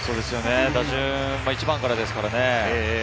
打順１番からですからね。